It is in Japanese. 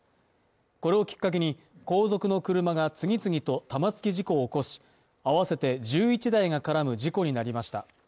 これをきっかけに後続の車が次々と玉突き事故を起こし、合わせて１１台が絡む事故になりました。